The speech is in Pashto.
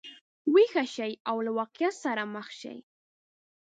ویښه شي او له واقعیت سره مخ شي.